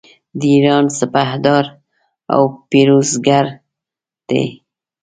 د ایران سپهدار او پیروزګر دی.